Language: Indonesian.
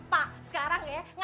pak sekarang kita ke sana